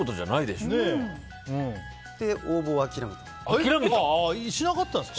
で、応募を諦めたんです。